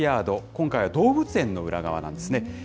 今回は動物園の裏側なんですね。